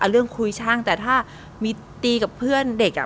เรื่องคุยช่างแต่ถ้ามีตีกับเพื่อนเด็กอ่ะ